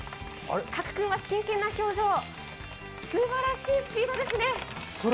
加来君は真剣な表情すばらしいスピードですね！